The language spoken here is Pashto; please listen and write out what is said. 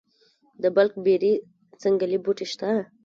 د بلک بیري ځنګلي بوټي شته؟